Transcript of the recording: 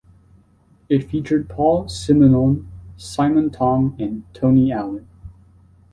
It featured Paul Simonon, Simon Tong and Tony Allen.